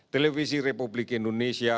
televisi republik indonesia